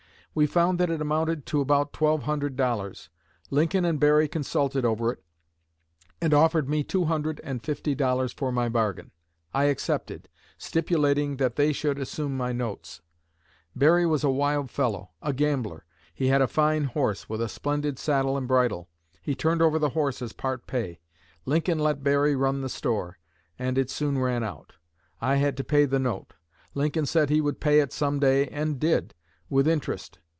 We found that it amounted to about twelve hundred dollars. Lincoln and Berry consulted over it, and offered me two hundred and fifty dollars for my bargain. I accepted, stipulating that they should assume my notes. Berry was a wild fellow a gambler. He had a fine horse, with a splendid saddle and bridle. He turned over the horse as part pay. Lincoln let Berry run the store, and it soon ran out. I had to pay the note. Lincoln said he would pay it some day and did, with interest."